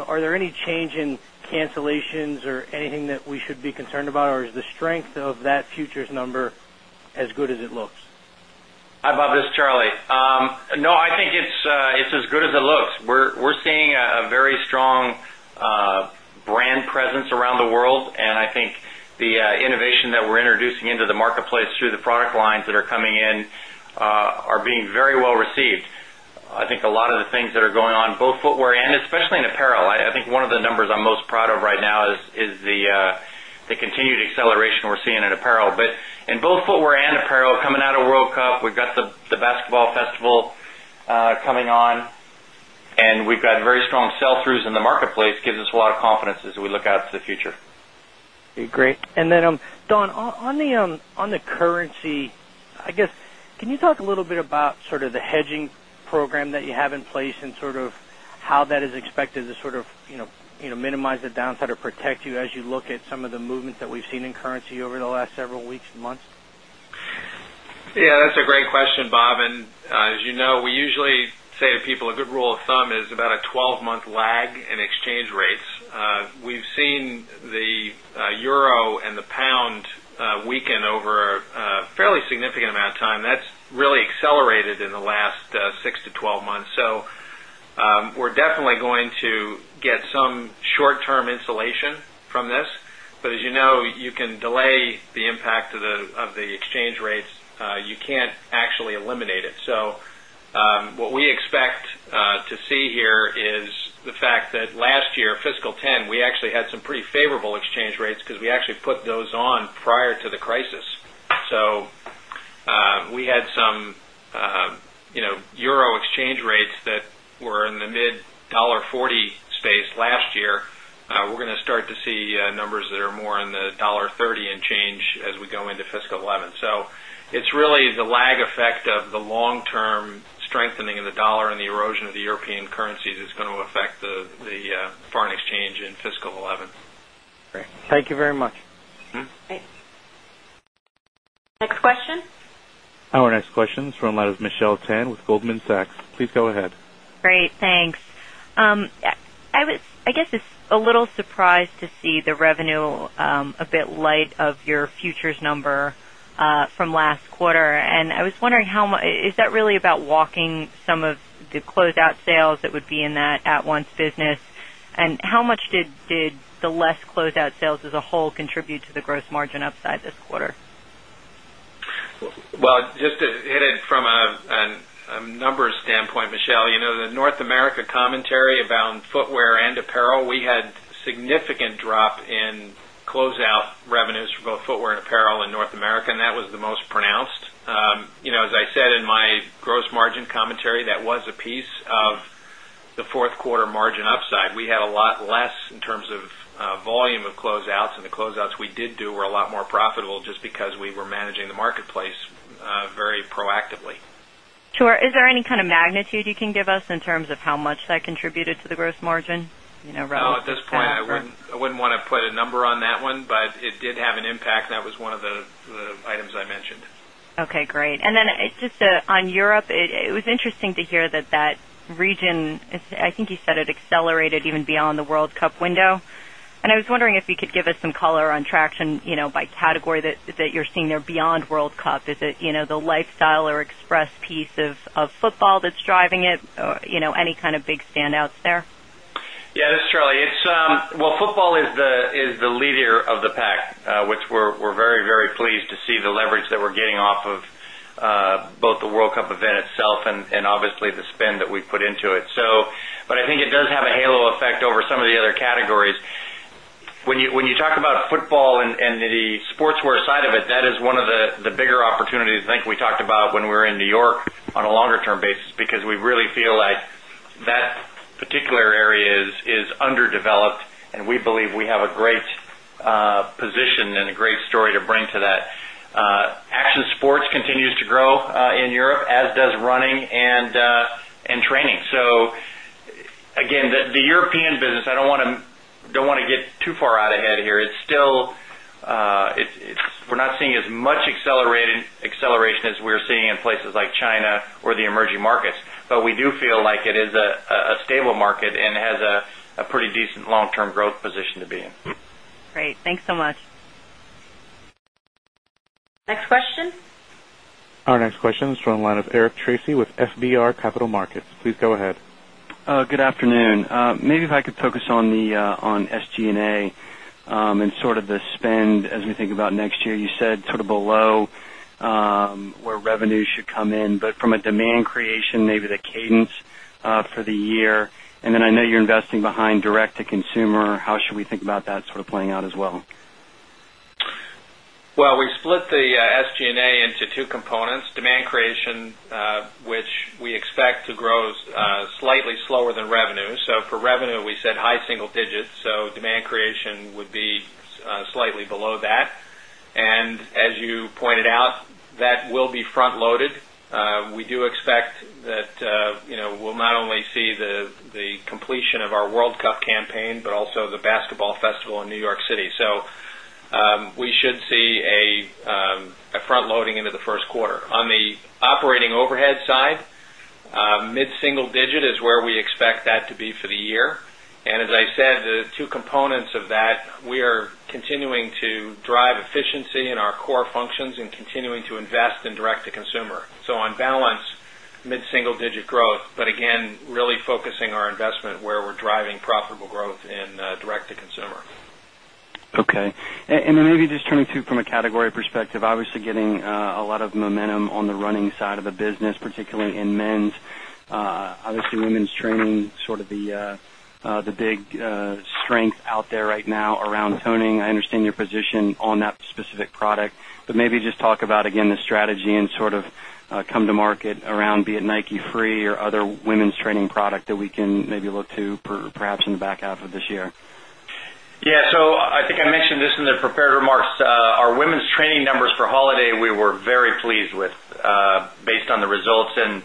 are there any change in cancellations or anything that we should be concerned about or is the strength of that futures number as good as it looks? Bob, this is Charlie. No, I think it's as good as it looks. We're seeing a very strong brand presence around the world. And I think the innovation that we're introducing into the marketplace through the product lines that are coming in are being very well received. I think a lot of the things that are going on both footwear and especially in apparel, I think one of the numbers I'm most proud of right now is the continued acceleration we're seeing in apparel. But in both footwear and apparel coming out of World Cup, we've got the basketball festival coming on and we've got very strong sell throughs in the marketplace gives us a lot of confidence as we look out to the future. Great. And then, Don, on the currency, I guess, can you talk a little bit about sort of the hedging program that you have in place and sort of how that is expected to sort of minimize the downside or protect you as you look at some of the movements that we've seen in currency over the last several weeks months? Yes, that's a great question, Bob. And as you know, we usually say to people a good rule of thumb is about a 12 month lag in exchange rates. We've seen the euro and the pound weaken over a fairly significant amount of time. That's really accelerated in the last 6 to 12 months. So we're definitely going to get some short term insulation from this. But as you know, you can delay the impact of the exchange rates. You can't actually eliminate it. So what we expect to see here is the fact that last year fiscal 'ten, we actually had some pretty favorable exchange rates because we actually put those on prior to the crisis. So we had some euro exchange rates that were in the mid $1.40 space last year. We're going to start to see numbers that are more in the $1.30 and change as we go into fiscal 'eleven. So it's really the lag effect of the long term strengthening of the dollar and the erosion of the European currencies is going to affect the foreign exchange in fiscal 2011. Great. Thank you very much. Next question? Our next question is from the line of Michelle Tan with Goldman Sachs. Please go ahead. Great. Thanks. I guess just a little surprised to see the revenue a bit light of your futures number from last quarter. And I was wondering how much is that really about walking some of the closeout sales that would be in that at once business? And how much did the less closeout sales as a whole contribute to the gross margin upside this quarter? Well, just to hit it from a numbers standpoint, Michelle, the North America commentary about footwear and apparel, we had significant drop in closeout revenues for both footwear and apparel in North America and that was the most pronounced. As I said in my gross margin commentary, that was a piece of the 4th quarter margin upside. We had a lot less in terms of volume of closeouts and the closeouts we did do were a lot more profitable just because we were managing the marketplace very proactively. Sure. Is there any kind of magnitude you can give us in terms of how much that contributed to the gross margin? No, at this point, I wouldn't want to put a number on that one, but it did have an impact. That was one of the items I mentioned. Okay, great. And then just on Europe, it was interesting to hear that that region, I think you said it accelerated even beyond the World Cup window. And I was wondering if you could give us some color on traction by category that you're seeing there beyond World Cup. Is it the lifestyle or express piece of football that's driving it? Any kind of big standouts there? Yes, this is Charlie. It's well, football is the leader of the pack, which we're very, very pleased to see the leverage that we're getting off of both the World Cup event itself and obviously the spend that we put into it. So but I think it does have a halo effect over some of the other categories. When you talk about football and the sportswear side of it, that is one of the bigger opportunities, I think we talked about when we were in New York on a longer term basis, because we really feel like that particular area is underdeveloped and we believe we have a great position and a great story to bring to that. Action sports continues to grow in Europe as does running and business, I don't want to get too far out ahead here. It's still we're not seeing as much acceleration as we're seeing in places like China or the emerging markets. But we do feel like it is a stable market and has a pretty decent long term growth position to be in. Great. Thanks so much. Next question? Our next question is from the line of Eric Tracy with FBR Capital Markets. Please go ahead. Good afternoon. Maybe if I could focus on SG and A and sort of the spend as we think about next year, you said sort of below where revenue should come in, but from a demand creation, maybe the cadence for the year. And then I know you're investing behind direct to consumer. How should we think about that sort of playing out as well? Well, we split the SG and A into 2 components, demand creation, which we expect to grow slightly slower than revenue. So for revenue, we said high single digits. So demand creation would be slightly below that. And as you pointed out, that will be front loaded. We do expect that we'll not only the completion of our World Cup campaign, but also the basketball festival in New York City. So we should see a front loading into the Q1. On the operating overhead side, mid single digit is where we expect that to be for the year. And as I said, the 2 components of that, we are continuing to drive efficiency in our core functions and continuing to invest in direct to consumer. So on balance, mid single digit growth, but again really focusing our investment where we're driving profitable growth in direct to consumer. Okay. And then maybe just turning to from a category perspective, obviously getting a lot of momentum on the running side of the business, particularly in men's, Obviously, women's training sort of the big strength out there right now around toning. I understand your position on that specific product, but maybe just talk about again the strategy and sort of come to market around be it Nike Free or other women's training product that we can maybe look to perhaps in the back half of this year? Yes. So I think I mentioned this in the prepared remarks, our women's training numbers for holiday, we were very pleased with on the results and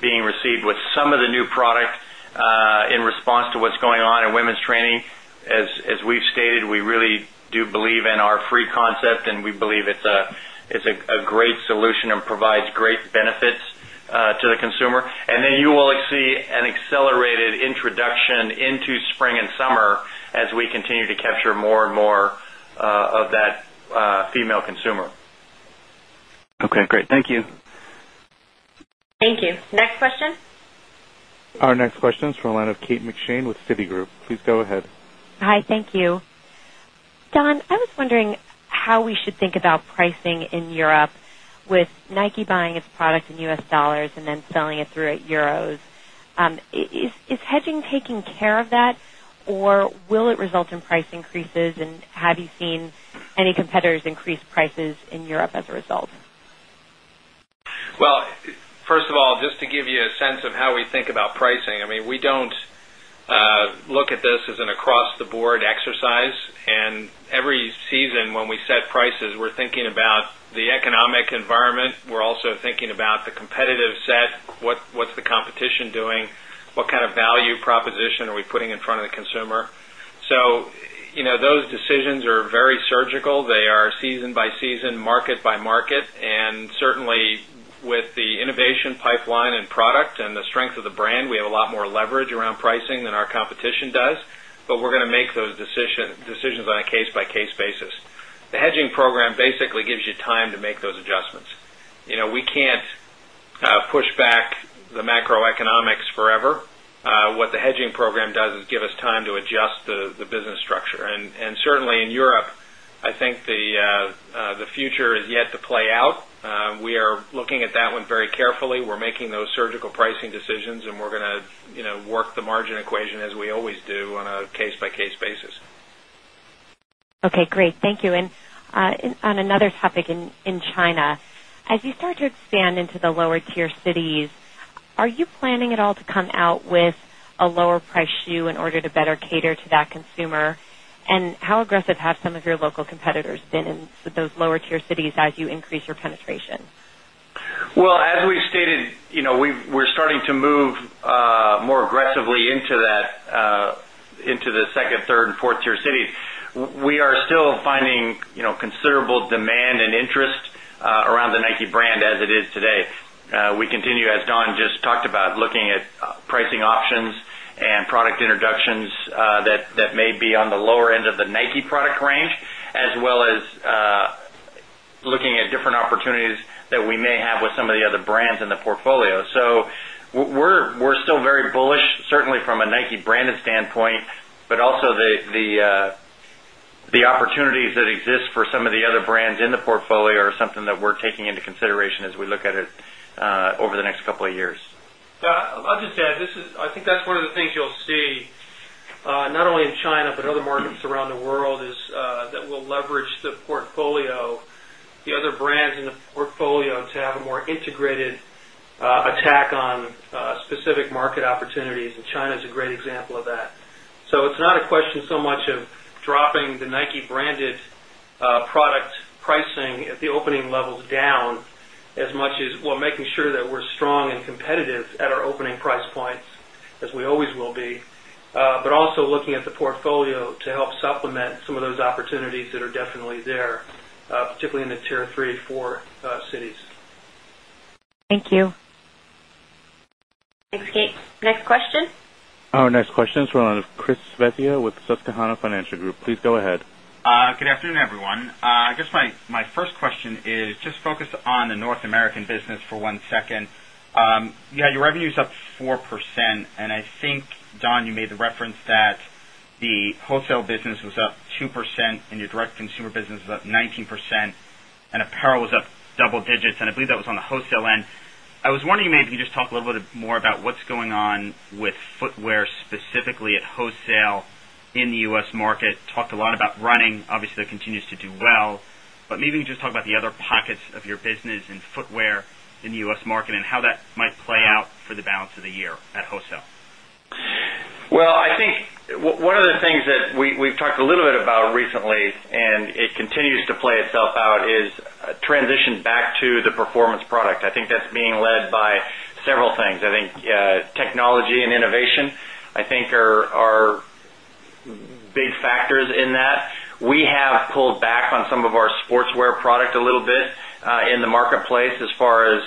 being received with some of the new product in response to what's going on in women's training. As we've stated, we really do believe in our free concept and we believe it's a great solution and provides great benefits to the consumer. And then you will see an accelerated introduction into spring summer as we continue to capture more and more of that female consumer. Okay, great. Thank you. Thank you. Next question? Our next question is from the line of Kate McShane with Citigroup. Please go ahead. Hi, thank you. Don, I was wondering how we should think about pricing in Europe with Nike buying its product in U. S. Dollars and then selling it through at euros. Is hedging taking care of that or will it result in price increases and have you seen any competitors increase prices in Europe as a result? Well, first of all, just to give you a sense of how we think about pricing. I mean, we don't look at this as an across the board exercise and every season when we set prices, we're thinking about the economic environment. We're also thinking about the competitive set, what the competition doing, what kind of value proposition are we putting in front of the consumer. So those decisions are very surgical. They are season by season, market by market and certainly with the innovation pipeline and product and the strength of the brand, we have a lot more leverage around pricing than our competition does, but we're going to make those decisions We can't push back the macroeconomics forever. What the hedging program does is give us time to adjust the business structure. And certainly in Europe, I think the future is yet to play out. We are looking at that one very carefully. We're making those surgical pricing decisions and we're going to work the margin equation as we always do on a case by case basis. Okay, great. Thank you. And on another topic in China, as you start to expand into the lower tier cities, are you planning at all to come out with a lower price shoe in order to better cater to that consumer? And how aggressive have some of your local competitors been in those lower tier cities as you increase your penetration? Well, as we stated, we're starting to move more aggressively into that into the second, third and fourth tier cities. We are still finding considerable demand and interest around the NIKE brand as it is today. We continue, as Don just talked about, looking at pricing options and product introductions that may be on the lower end of the NIKE product range, as well as looking at different opportunities that we may have with some of the other brands in the portfolio. So we're still very bullish, certainly from a NIKE branded standpoint, but also the opportunities that exist for some of the other brands in the portfolio are something that we're taking into consideration as we look at it over the next couple of years. I'll just add, this is I think that's one of the things you'll see not only in China, but other markets around the world is that will leverage the portfolio, the other brands in the portfolio to have a more integrated attack on specific market opportunities and China is a great example of that. So it's not a question so much of dropping the NIKE branded product pricing at the opening levels down as much as we're making sure that we're strong and competitive at our opening price points as we always will be, but also looking at the portfolio to help supplement some of those opportunities that are definitely there, particularly in the Tier 3, Tier 4 cities. Thank you. Thanks, Kate. Next question? Our next question is from the line of Chris Svezia with Susquehanna Financial Group. Please go ahead. Good afternoon, everyone. I guess my first question is just focused on the North American business for one second. You had your revenues up 4% and I think Don you made the reference that the wholesale business was up 2% and your direct to consumer business was up 19% and apparel was up double digits and I believe that was on the wholesale end. I was wondering maybe you could just talk a little bit more about what's going on with footwear specifically at wholesale in the U. S. Market, talked a lot about running, obviously that continues to do well. But maybe you can just talk about the other pockets of your business in footwear the U. S. Market and how that might play out for the balance of the year at wholesale? Well, I think one of the things that we've talked a little bit about recently and it continues to play itself out is transition back to the performance product. I think that's being led by several things. I think technology and innovation, I think are big factors in that. We have pulled back on some of our sportswear product a little bit in the marketplace as far as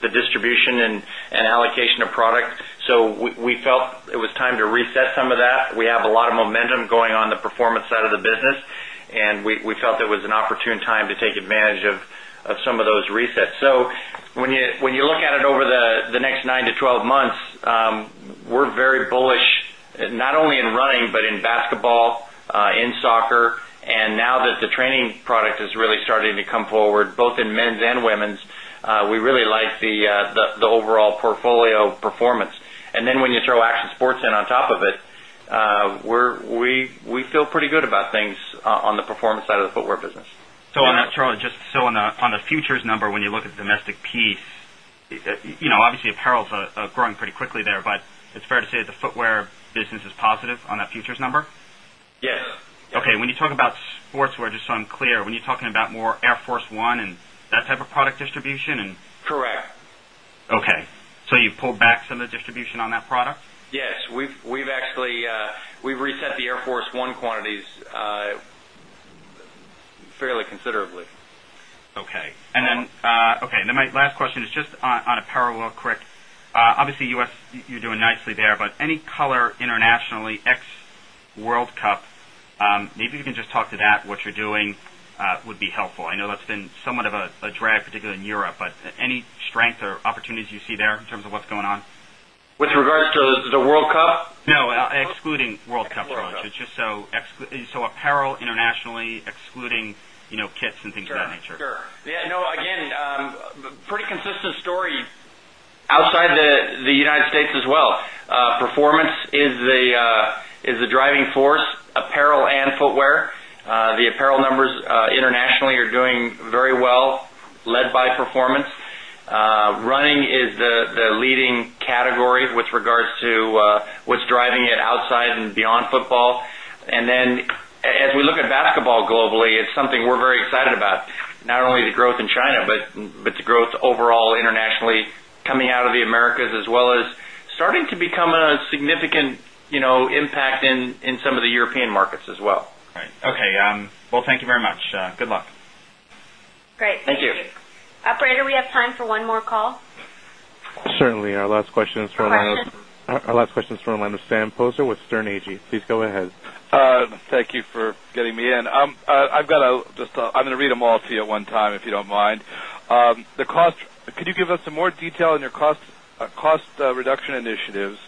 the distribution and allocation of product. So we felt it was time to reset some of that. We have a lot of momentum going on the performance side the business and we felt there was an opportune time to take advantage of some of those resets. So when you look at it over the next 9 to 12 months, we're very bullish, not only in running, but in basketball, in soccer and now that the training product is really starting to come forward in men's and women's, we really like the overall portfolio performance. And then when you throw action sports in on top of it, we feel pretty good about things on the performance side of the footwear business. So on that, Charlie, just so on the futures number, when you look at domestic piece, obviously, apparel is growing pretty quickly there. But it's fair to say the footwear business is positive on that futures number? Yes. Okay. When you talk about sportswear, just so I'm clear, when you're talking about more Air Force 1 and that type of product distribution and Correct. Okay. So you pulled back some of the distribution on that product? Yes. We've actually we've reset the Air Force 1 quantities fairly considerably. Okay. And then my last question is just on apparel quick. Obviously, U. S, you're doing nicely there, but any color strength or opportunities you see there in terms of what's going on? With regards to the World Cup? No, excluding World Cup, Laurent. It's just so apparel internationally excluding kits and things of that nature. Sure. Yes. No, again, pretty consistent story outside the United States as well. Performance is the driving force, apparel and footwear. The apparel numbers internationally are doing very well, led by performance. Running is the leading category with regards to what's driving it outside and beyond football. And then as we look at basketball globally, it's something we're very excited about, not only the growth in China, but the growth overall internationally coming out of the Americas as well as starting to become a significant impact in some of the European markets as well. Okay. Well, thank you very much. Good luck. Great. Thank you. Operator, we have time for one more call. Certainly. Our last question is from the line of Sam Poser with Stern AG. Please go ahead. Thank you for getting me in. I've got a just I'm going to read them all to you at one time, if you don't mind. The cost could you give us some more detail on your cost reduction initiatives?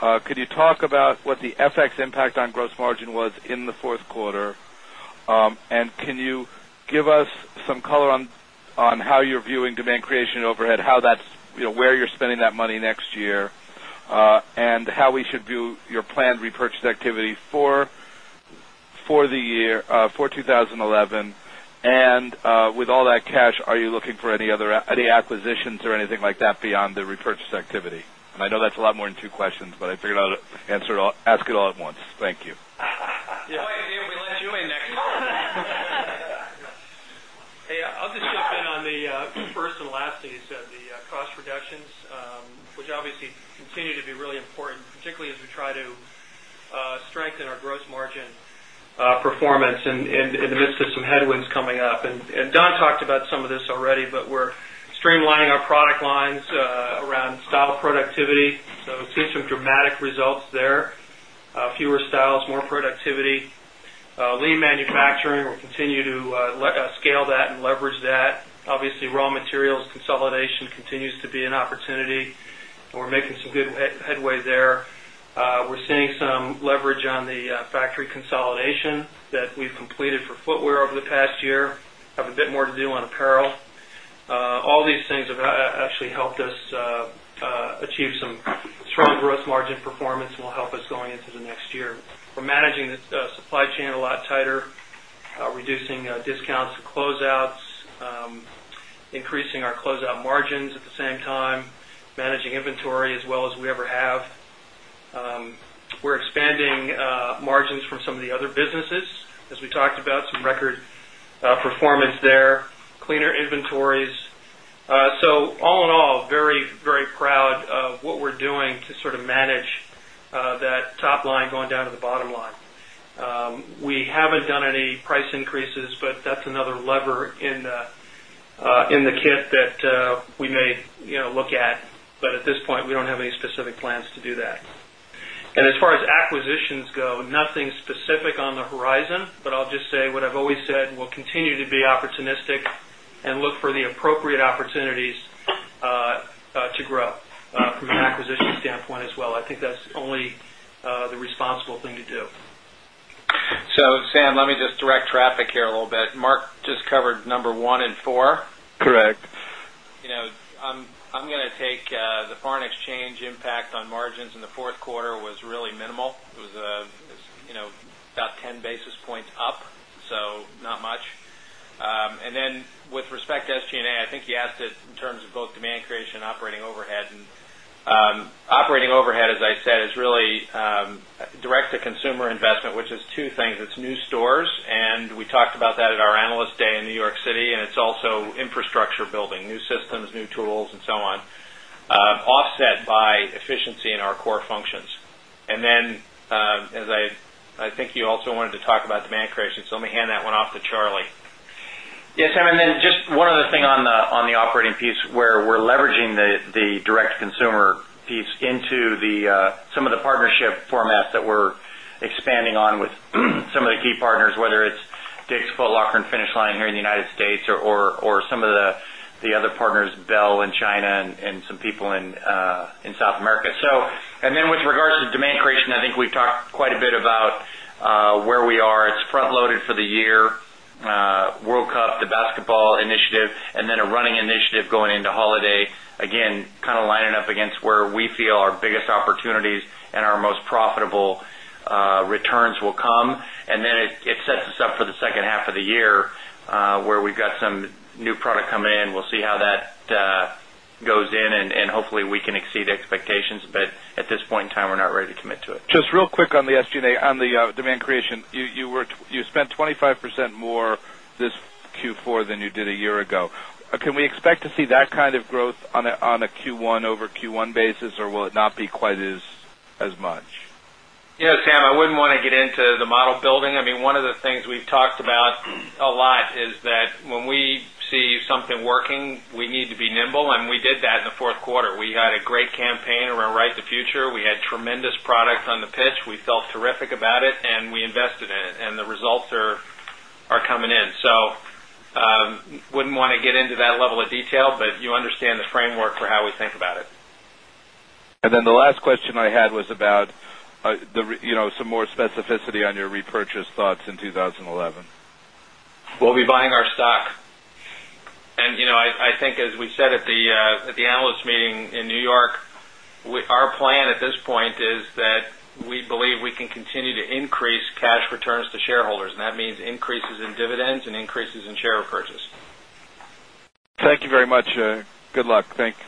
Could you talk about what the FX impact on gross margin was in the 4th quarter? And can you give us some color on how you're viewing demand creation overhead? How that's where you're spending that money next year? And how we should view your planned repurchase activity for the year for 2011? And with all that cash, are you looking for any other any acquisitions or anything like that beyond the repurchase activity? And I know that's lot more than 2 questions, but I figured I'd answer it all ask it all at once. Thank you. Yes. Hey, I'll just jump in on the first and lastly, you said the cost reductions, which obviously continue to be really important, particularly as we try to strengthen our gross margin performance in the midst of some headwinds coming up. And Don talked about some of this already, but Lean manufacturing, we continue to scale that and leverage that. Obviously, raw materials consolidation continues to be an opportunity. Making some good headway there. We're seeing some leverage on the factory consolidation that we've completed for footwear over the past year, have a bit more to do on apparel. All these things have actually helped us achieve some strong gross margin performance and will help us going into the next year. We're managing the supply chain a lot tighter, reducing discounts to closeouts, increasing our closeout margins at the same time, managing inventory as well as we ever have. We're expanding margins from some of the other businesses, as we talked about some record performance there, cleaner inventories. So all in all, very, very proud of what we're doing to sort of manage that top line going down to the bottom line. We haven't done any price increases, but that's another lever in the kit that we may look at. But at this point, we don't have any specific plans to do that. And as far as acquisitions go, nothing specific on the horizon, but I'll just say what I've always said, we'll continue to be opportunistic and look for the appropriate opportunities to grow from an acquisition standpoint as well. I think that's only the responsible thing to do. So Sam, let me just direct traffic here a little bit. Mark just covered number 14? Correct. I'm going to take the foreign exchange impact on margins in the 4th quarter was really minimal. It was about 10 basis points up, so not much. And then with respect to SG and A, I think you asked it in terms of both demand creation and operating overhead. And operating overhead, as I said, is really direct to consumer investment, which is 2 things. It's new stores and we talked about that at our Analyst Day in New York City and it's also infrastructure building, new systems, new tools and so on, offset by efficiency in our core functions. And then, as I think you also wanted to talk about demand creation, so let me hand that one off to Charlie. Yes, Sam. And then just one other thing on the operating piece where we're leveraging the direct to consumer piece into the some of the partnership formats that we're expanding on with some of the key partners, whether it's DIGS Foot Locker and Finish Line here in the United States or some of the other partners Bell in China and some people in South America. So and then with regards to demand creation, I think we've talked quite a bit about where we are. It's front loaded for the year, World Cup, the basketball initiative and then a running initiative going into holiday, again, kind of lining up against where we feel our biggest opportunities new product coming in. We'll see how that goes in and hopefully we can exceed expectations. But at this point in time, we're not ready to commit to it. Just real quick on the SG and A on the demand creation, you spent 25% more this Q4 than you did a year ago. Can we expect to see that kind of growth on a Q1 over Q1 basis or will it not be quite as much? Yes, Sam, I wouldn't want to get into the model building. I mean one of the things we've talked about a lot is that when we see something working, we need to be nimble and we did that in the 4th We had a great campaign around Right the Future. We had tremendous product on the pitch. We felt terrific about it and we invested in it and the results are coming in. So, wouldn't want to get into that level of detail, but you understand the framework for how we think about it. Then the last question I had was about some more specificity on your repurchase thoughts in 2011? We'll be buying our stock. And I think as we said at the Analyst Meeting in New York, our plan at this point is that we believe we can continue to increase cash returns to shareholders and that means increases in dividends and increases in share repurchase. Thank you very much. Good luck. Thanks.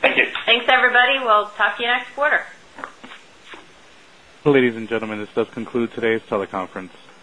Thank you. Thanks everybody. We'll talk to you next quarter. Ladies and gentlemen, this does conclude today's teleconference.